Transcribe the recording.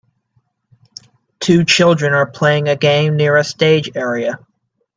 Two children are playing a game near a stage area.